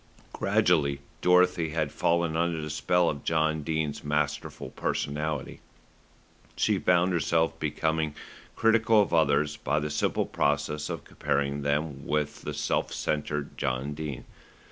Gradually Dorothy had fallen under the spell of John Dene's masterful personality. She found herself becoming critical of others by the simple process of comparing them with the self centred John Dene.